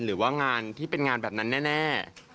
หรือว่างานที่เป็นงานแบบนั้นแน่